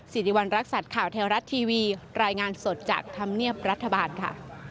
สิริวัณรักษัตริย์ข่าวแท้รัฐทีวีรายงานสดจากธรรมเนียบรัฐบาลค่ะ